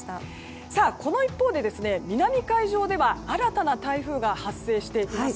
この一方で南海上では新たな台風が発生しています。